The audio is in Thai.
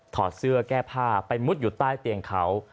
อดเสื้อแก้ผ้าไปมุดอยู่ใต้เตียงเขา